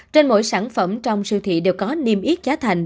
trên mỗi sản phẩm trong siêu thị đều có niêm yết giá thành